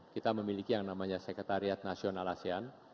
kita memiliki yang namanya sekretariat nasional asean